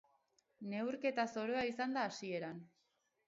Neurketa zoroa izan da hasieran.